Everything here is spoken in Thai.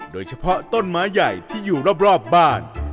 โดยเฉพาะต้นไม้ใหญ่ที่อยู่รอบบ้าน